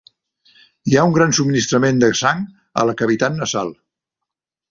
Hi ha un gran subministrament de sang a la cavitat nasal.